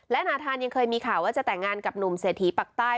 และนาธานยังเคยมีข่าวว่าจะแต่งงานกับหนุ่มเศรษฐีปักใต้